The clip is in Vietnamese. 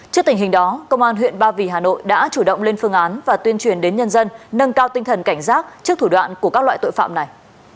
trước tình hình đó công an huyện ba vì hà nội đã chủ động lên phương án và tuyên truyền đến nhân dân nâng cao tinh thần cảnh giác trước thủ đoạn của các loại tội phạm này